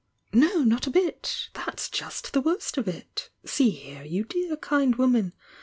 "No, not a bit! That's just the worst of it! See here, you dear, kind woman!